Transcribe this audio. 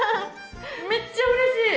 めっちゃうれしい。